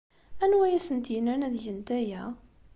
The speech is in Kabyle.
Anwa ay asent-yennan ad gent aya?